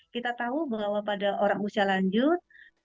kita tahu bahwa pada orang usia lanjut